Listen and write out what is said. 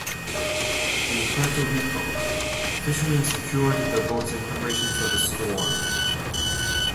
In Puerto Rico, fishermen secured their boats in preparation for the storm.